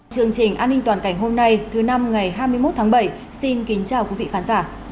chương trình an ninh toàn cảnh hôm nay thứ năm ngày hai mươi một tháng bảy xin kính chào quý vị khán giả